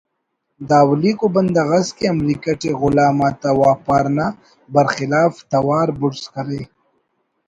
دا اولیکو بندغ ئس کہ امریکہ ٹی غلام آتا واپار نا برخلاف توار بڑز کرے